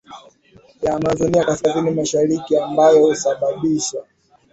ya Amazonia kaskazini mashariki ambayo husababisha